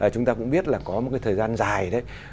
chúng ta cũng biết là có một thời gian dài